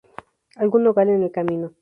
Algún nogal en el camino.